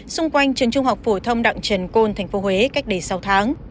xung quanh trường trung học phổ thông đặng trần côn thành phố huế cách đây sáu tháng